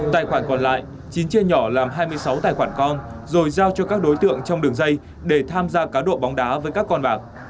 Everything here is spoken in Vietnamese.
tài khoản còn lại chín chia nhỏ làm hai mươi sáu tài khoản con rồi giao cho các đối tượng trong đường dây để tham gia cá độ bóng đá với các con bạc